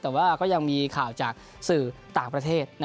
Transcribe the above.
แต่ว่าก็ยังมีข่าวจากสื่อต่างประเทศ